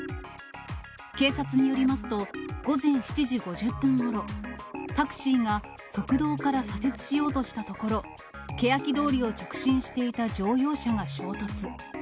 警察によりますと、午前７時５０分ごろ、タクシーが側道から左折しようとしたところ、けやき通りを直進していた乗用車が衝突。